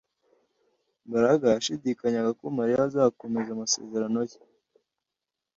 Mbaraga yashidikanyaga ko Mariya azakomeza amasezerano ye